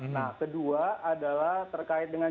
nah kedua adalah terkait dengan